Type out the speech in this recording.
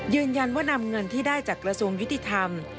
ยืนยันว่านำเงินที่ได้จากกระทรวงคุณวิทยธรรม